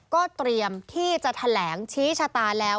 ก็เตรียมที่จะแถลงชี้ชะตาแล้ว